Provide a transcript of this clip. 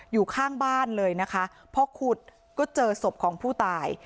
อยู่ข้างบ้านเลยนะคะพอขุดก็เจอศพของผู้ตาย